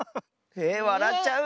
えっわらっちゃう？